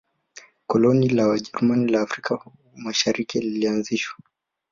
koloni la wajerumani la afrika mashariki lilianzishwa